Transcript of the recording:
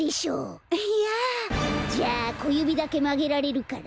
いやあ。じゃあこゆびだけまげられるから？